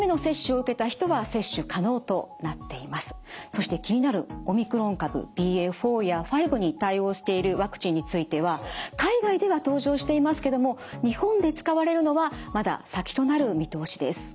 そして気になるオミクロン株ＢＡ．４や５に対応しているワクチンについては海外では登場していますけども日本で使われるのはまだ先となる見通しです。